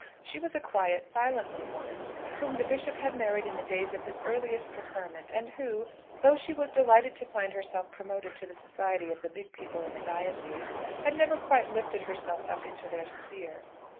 She was a quiet, silent little woman, whom the Bishop had married in the days of his earliest preferment, and who, though she was delighted to find herself promoted to the society of the big people in the diocese, had never quite lifted herself up into their sphere.